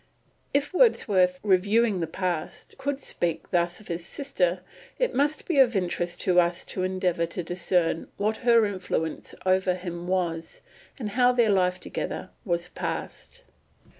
If Wordsworth, reviewing the past, could speak thus of his sister, it must be of interest to us to endeavour to discern what her influence over him was, and how their life together was passed.